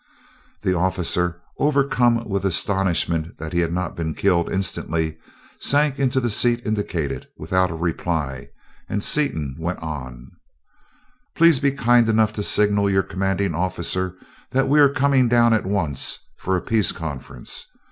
The officer, overcome with astonishment that he had not been killed instantly, sank into the seat indicated, without a reply, and Seaton went on: "Please be kind enough to signal your commanding officer that we are coming down at once, for a peace conference.